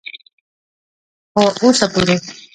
خو اوسه پورې